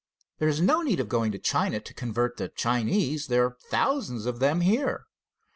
There is no need of going to China to convert the Chinese. There are thousands of them here.